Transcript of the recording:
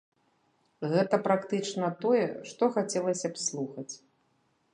Гэта практычна тое, што хацелася б слухаць.